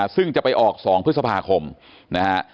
ซึ่งจะไปออก๒พฤษภาคมนะฮะ